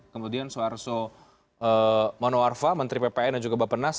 kemudian soharso manoarva menteri ppn dan juga bapak penas